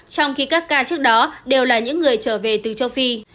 trong khi các ca trước đó đều là những người trở về từ châu phi